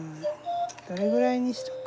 どれぐらいにしとく？